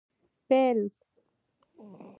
🦃 پېلک